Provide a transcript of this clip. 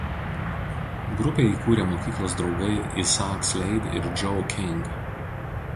Grupę įkūrė mokyklos draugai Isaac Slade ir Joe King.